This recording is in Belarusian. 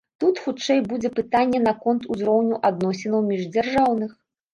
Тут, хутчэй, будзе пытанне наконт узроўню адносінаў міждзяржаўных.